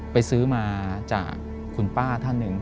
ไปซื้อมาจากคุณป้าท่านหนึ่ง